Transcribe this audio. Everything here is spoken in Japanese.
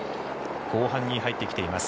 後半に入ってきています。